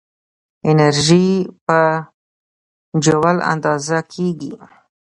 انرژي په جول اندازه کېږي.